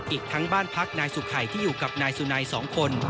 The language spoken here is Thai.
อีกทั้งบ้านพักนายสุขัยที่อยู่กับนายสุนัย๒คน